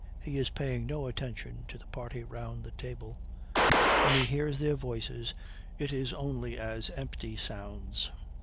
He is paying no attention to the party round the table. When he hears their voices it is only as empty sounds.